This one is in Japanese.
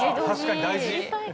確かに大事。